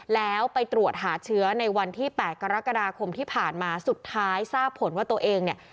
แล้วไปตรวจหาเชื้อในวันที่๘กรกฎาคมที่ผ่านมาสุดท้ายทราบผลว่าตัวเองเนี่ย